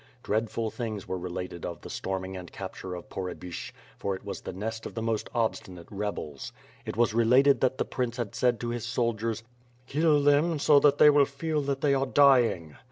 Dreadful things were related of the storming and capture of Pohrebyshch, for it was the nest of the most obstinate rebels. It was related that the prince had said to his soldiers, "Kill them so that they will feel that they are dying."